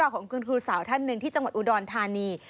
ของคุณครูสาวท่านหนึ่งที่จังหวัดอุดรธานี